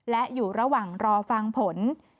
และอยู่ระหว่างรอฟังผล